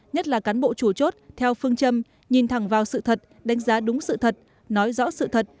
nhất là cán bộ chủ chốt theo phương châm nhìn thẳng vào sự thật đánh giá đúng sự thật nói rõ sự thật